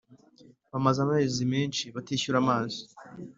Bamaze amezi menshi batishyura amazi.